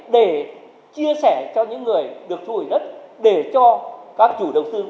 để chia sẻ cho những người được thu hủy đất để cho các chủ đồng tư